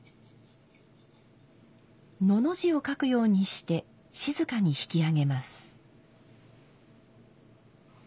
「の」の字を書くようにして静かに引き上げます。